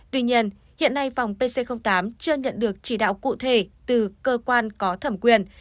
tuy nhiên hiện nay phòng pc tám chưa nhận được chỉ đạo cụ thể từ cơ quan có thẩm quyền